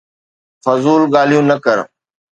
فضول ڳالهيون نه ڪر